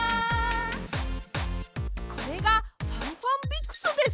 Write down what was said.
これが「ファンファンビクス」です。